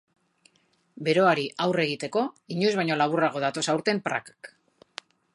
Beroari aurre egiteko, inoiz baino laburrago datoz aurten prakak.